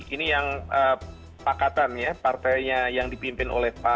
ini yang pakatan ya partainya yang dipimpin